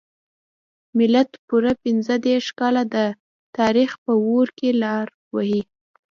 ملت پوره پنځه دیرش کاله د تاریخ په اور کې لار وهلې.